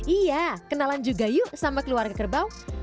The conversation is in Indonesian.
iya kenalan juga yuk sama keluarga kerbau